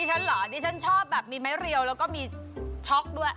ฉันเหรอดิฉันชอบแบบมีไม้เรียวแล้วก็มีช็อกด้วย